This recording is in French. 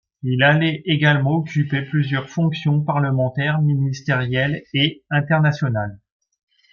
Il allait également occuper plusieurs fonctions parlementaires, ministérielles et internationales.